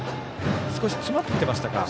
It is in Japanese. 少し詰まっていましたか。